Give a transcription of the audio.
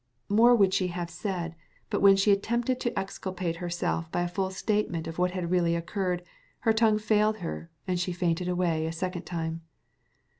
More she would have said, but when she attempted to exculpate herself by a full statement of what had really occurred, her tongue failed her, and she fainted away a second time.